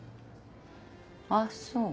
あっそう。